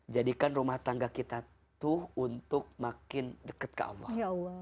jadikan rumah tangga kita tuh untuk makin dekat ke allah